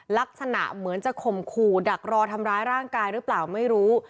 ลักษณะเหมือนจะข่มขู่ดักรอทำร้ายร่างกายหรือเปล่าไม่รู้